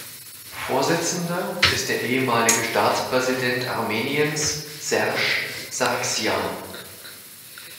Vorsitzender ist der ehemalige Staatspräsident Armeniens, Sersch Sargsjan.